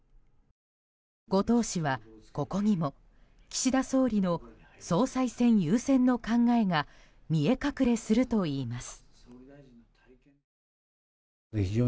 後藤氏は、ここにも岸田総理の総裁選優先の考えが見え隠れするといいます。